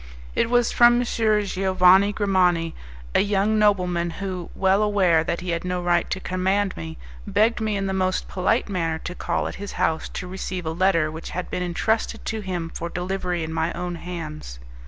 It was from M. Giovanni Grimani, a young nobleman, who, well aware that he had no right to command me, begged me in the most polite manner to call at his house to receive a letter which had been entrusted to him for delivery in my own hands.